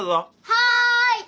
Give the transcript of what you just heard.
はい。